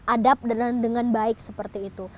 adab dengan baik seperti itu